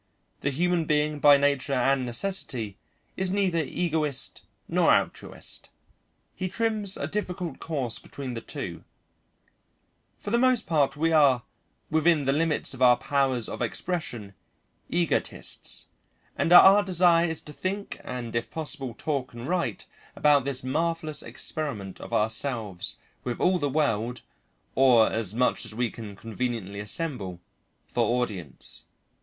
The human being by nature and necessity is neither egoist nor altruist; he trims a difficult course between the two; for the most part we are, within the limits of our powers of expression, egotists, and our desire is to think and if possible talk and write about this marvellous experiment of ourselves, with all the world or as much as we can conveniently assemble for audience.